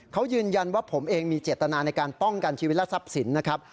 เขายืนยันว่าผมเองมีเจตนาในการป้องกันชีวิตและทรัพย์สินนะครับ